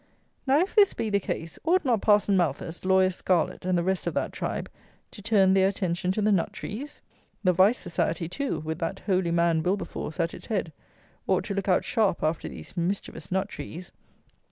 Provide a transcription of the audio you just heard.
Now, if this be the case, ought not Parson Malthus, Lawyer Scarlett, and the rest of that tribe, to turn their attention to the nut trees? The Vice Society, too, with that holy man Wilberforce at its head, ought to look out sharp after these mischievous nut trees.